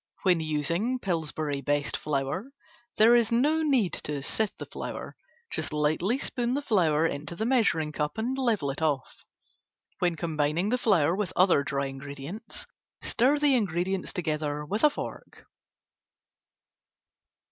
When using Pillsbury BEST® Flour, there is no need to sift the flour. Just lightly spoon the flour into the measuring cup and level it off. When combining the flour with other dry ingredients, stir the ingredients together with a fork.